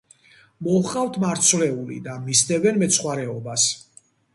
მოჰყავთ მარცვლეული და მისდევენ მეცხვარეობას.